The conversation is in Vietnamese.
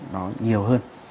nó nhiều hơn